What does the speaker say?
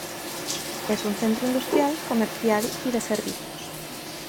Es un centro industrial, comercial y de servicios.